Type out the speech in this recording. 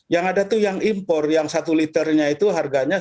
yang ada itu yang impor yang satu liternya itu harganya